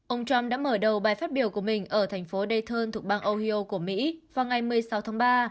ông trump đã mở đầu bài phát biểu của mình ở thành phố dae thuộc bang ohio của mỹ vào ngày một mươi sáu tháng ba